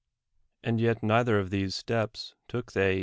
And yet neither of these steps took they.